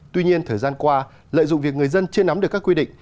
tuy nhiên thời gian qua lợi dụng việc người dân chưa nắm được các quy định